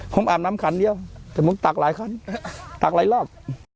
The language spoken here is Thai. ผมอาบน้ำขันเดียวจะมึงตรากหลายคุณตักหลายรอบ